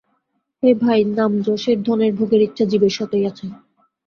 হে ভাই, নামযশের ধনের ভোগের ইচ্ছা জীবের স্বতই আছে।